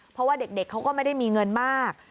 เพราะว่าเด็กเขาก็ไม่ได้มีเงินมาก